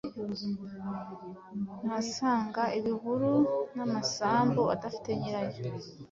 ahasanga ibihuru n’amasambu adafite nyirayo,